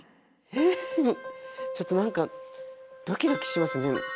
えっちょっと何かドキドキしますね。